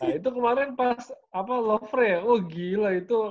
itu kemarin pas lovere oh gila itu